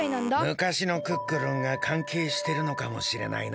むかしのクックルンがかんけいしてるのかもしれないな。